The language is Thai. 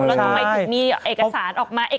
แล้วทำไมถึงมีเอกสารออกมา